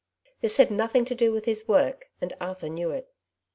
This hal nothing to do with his work, and Arthur knew it.